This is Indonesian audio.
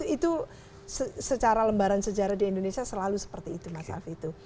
itu secara lembaran sejarah di indonesia selalu seperti itu mas alvito